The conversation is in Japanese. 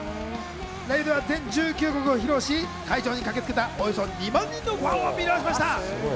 ライブは全１９曲を披露し、会場に駆けつけたおよそ２万人のファンを魅了しました。